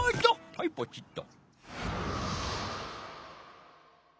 はいポチッと。